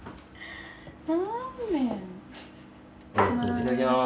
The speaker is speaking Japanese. いただきます。